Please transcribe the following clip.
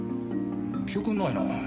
記憶にないなぁ。